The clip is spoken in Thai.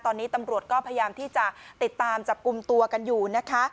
ตอนนี้ตำรวจก็พยายามที่จะติดตามจับกลุ่มตัวกันอยู่นะคะ